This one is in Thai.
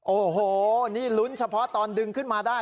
โอ้โหนี่ลุ้นเฉพาะตอนดึงขึ้นมาได้